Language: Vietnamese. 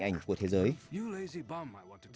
anh là một người lạc quan